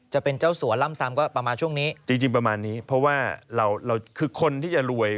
จะเป็นเจ้าสัวล่ำซ้ำก็ประมาณช่วงนี้จริงจริงประมาณนี้เพราะว่าเราเราคือคนที่จะรวย